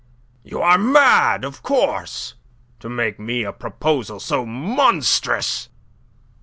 "You are mad, of course, to make me a proposal so monstrous."